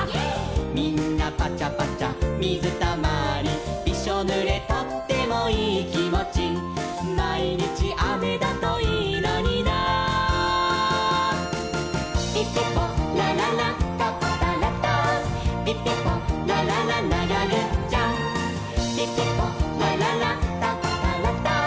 「みんなぱちゃぱちゃみずたまり」「びしょぬれとってもいいきもち」「まいにちあめだといいのにな」「ピピポラララタプタラタン」「ピピポラララながぐっちゃん！！」「ピピポラララタプタラタン」